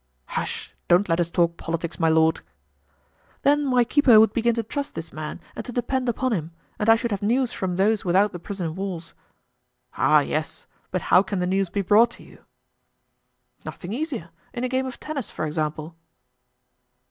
"Hush! don't let us talk politics, my lord." "Then my keeper would begin to trust this man and to depend upon him, and I should have news from those without the prison walls." "Ah, yes! but how can the news be brought to you?" "Nothing easier; in a game of tennis, for example."